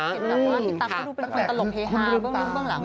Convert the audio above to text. แต่ว่าพี่ตั๊กก็ดูเป็นคนตลกเพฮาเบื้องนึงเบื้องหลัง